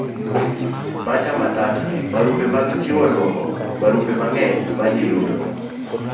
Macho Matata. barupe mag chiwo duoko. barupe mang'eny majiyudo